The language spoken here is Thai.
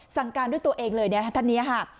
สั่งการด้วยตัวเองเลยท่านนี้ค่ะ